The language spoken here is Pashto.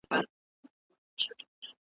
په یوه غوجل کي دواړه اوسېدله .